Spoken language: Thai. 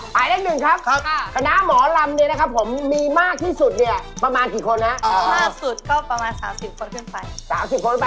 หมายเลขหนึ่งครับคณะหมอลำนี่นะครับผมมีมากที่สุดเนี่ยประมาณกี่คนครับ